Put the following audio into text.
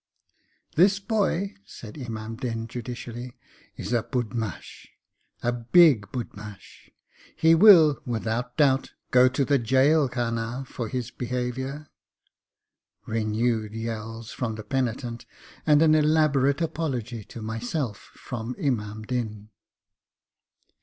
'This boy,' said Imam Din judicially, 'is a budmash a big budmash. He will, without doubt, go to the jail khana, for his behaviour.' Renewed yells from the penitent, and an elaborate apology to myself from Imam Din.